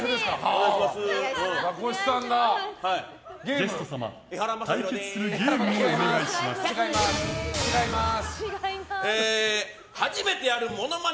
ゲスト様、対決するゲームをお願いします。